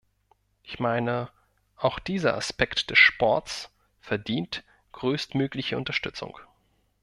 Ich meine, auch dieser Aspekt des Sports verdient größtmögliche Unterstützung.